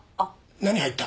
何入った？